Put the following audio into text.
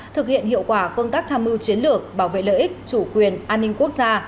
thực hiện hiệu quả công tác tham mưu chiến lược bảo vệ lợi ích chủ quyền an ninh quốc gia